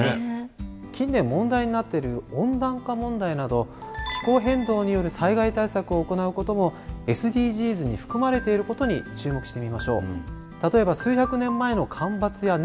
近年問題になってる温暖化問題など気候変動による災害対策を行うこともＳＤＧｓに含まれていることに注目してみましょう。